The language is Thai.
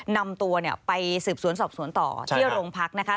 นำตัวไปสืบสวนสอบสวนต่อที่โรงพักนะคะ